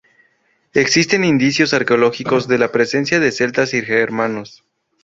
Existen indicios arqueológicos de la presencia de celtas y germanos.